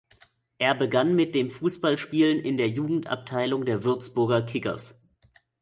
Er begann mit dem Fußballspielen in der Jugendabteilung der Würzburger Kickers.